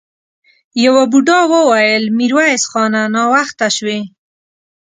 يوه بوډا وويل: ميرويس خانه! ناوخته شوې!